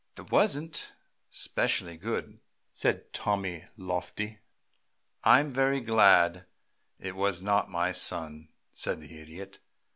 "'Twasn't specially good," said Tommy, loftily. "I am very glad it was not, my son," said the Idiot.